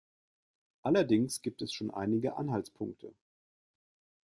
Allerdings gibt es schon einige Anhaltspunkte.